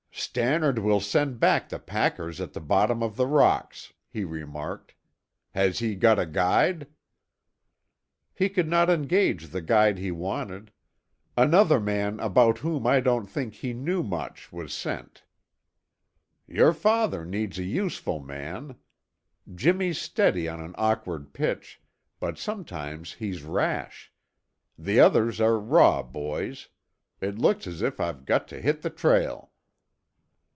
"Stannard will send back the packers at the bottom of the rocks," he remarked. "Has he got a guide?" "He could not engage the guide he wanted. Another man about whom I don't think he knew much was sent." "Your father needs a useful man. Jimmy's steady on an awkward pitch, but sometimes he's rash. The others are raw boys. It looks as if I've got to hit the trail."